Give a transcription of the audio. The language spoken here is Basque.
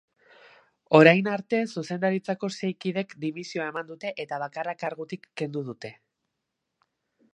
Orain arte zuzendaritzako sei kidek dimisioa eman dute eta bakarra kargutik kendu dute.